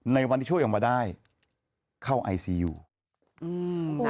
ในวันที่ช่วยออกมาได้เข้าไอซียูอืม